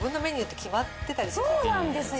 そうなんですよ。